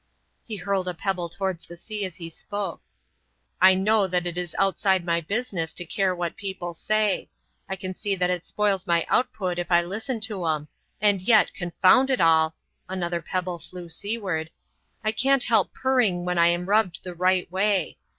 He hurled a pebble towards the sea as he spoke. "I know that it is outside my business to care what people say; I can see that it spoils my output if I listen to 'em; and yet, confound it all,"—another pebble flew seaward,—"I can't help purring when I'm rubbed the right way.